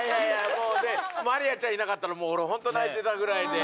もうねまりあちゃんいなかったら俺本当泣いてたぐらいで。